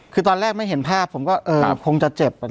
คือตอนแรกไม่เห็นภาพผมก็คงจะเจ็บ